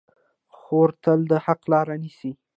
خور تل د حق لاره نیسي.